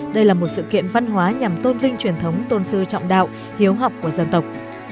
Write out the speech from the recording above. đây là một sự kiện văn hóa nhằm tôn vinh truyền thống tôn sư trọng đạo hiếu học của dân tộc